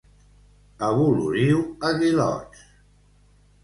A Voloriu, aguilots.